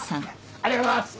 ありがとうございます。